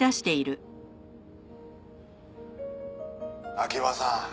「秋葉さん